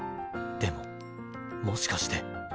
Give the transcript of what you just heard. でももしかして。